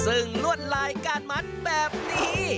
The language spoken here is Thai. ซึ่งลวดลายการมัดแบบนี้